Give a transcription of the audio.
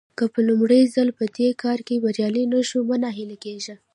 که په لومړي ځل په دې کار کې بريالي نه شوئ مه ناهيلي کېږئ.